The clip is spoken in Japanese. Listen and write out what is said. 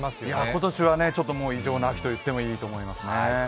今年は異常な秋と言ってもいいと思いますね。